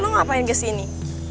lo ngapain kesini